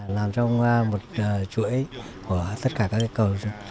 làm trong một chuỗi của tất cả các cầu